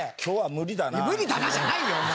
「無理だな」じゃないよお前。